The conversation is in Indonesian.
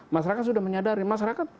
masyarakat sudah menyadari masyarakat